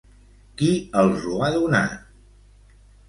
Qui els ho ha donat?